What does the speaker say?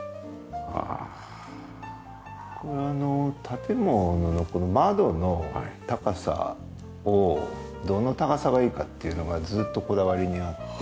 建物の窓の高さをどの高さがいいかっていうのがずっとこだわりにあって。